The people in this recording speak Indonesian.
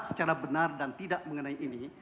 secara benar dan tidak mengenai ini